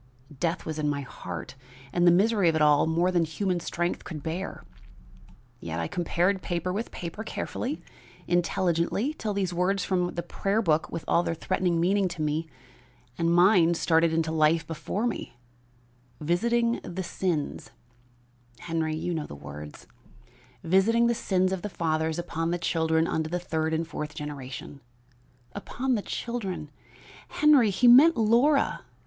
Death was in my heart and the misery of it all more than human strength could bear; yet I compared paper with paper carefully, intelligently, till these words from the prayer book with all their threatening meaning to me and mine started into life before me: 'Visiting the sins ' Henry, you know the words 'Visiting the sins of the fathers upon the children unto the third and fourth generation.' Upon the children! Henry, he meant Laura!